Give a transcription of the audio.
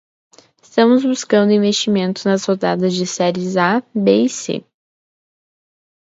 Estamos buscando investimento nas rodadas de Series A, B e C.